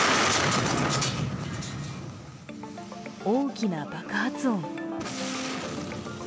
大きな爆発音。